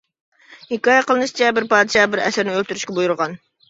ھېكايە قىلىنىشىچە: بىر پادىشاھ بىر ئەسىرنى ئۆلتۈرۈشكە بۇيرۇغان.